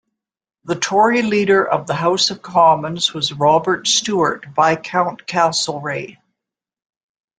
The Tory Leader of the House of Commons was Robert Stewart, Viscount Castlereagh.